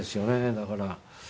だから。